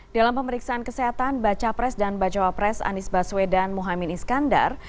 dalam pemeriksaan kesehatan baca pres dan bacawa pres anies baswedan mohaimin iskandar